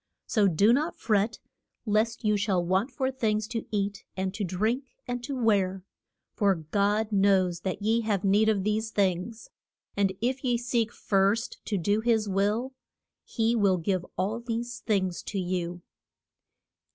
So do not fret lest you shall want for things to eat, and to drink, and to wear; for God knows that ye have need of these things, and if ye seek first to do his will, he will give all these things to you.